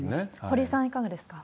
堀さん、いかがですか？